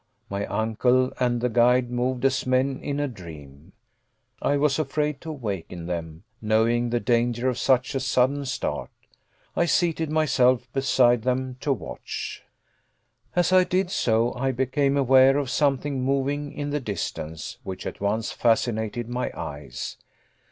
My uncle and the guide moved as men in a dream. I was afraid to waken them, knowing the danger of such a sudden start. I seated myself beside them to watch. As I did so, I became aware of something moving in the distance, which at once fascinated my eyes.